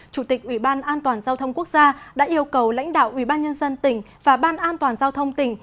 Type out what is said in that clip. chủ tịch ủy ban an toàn giao thông quốc gia đã yêu cầu lãnh đạo ủy ban nhân dân tỉnh và ban an toàn giao thông tỉnh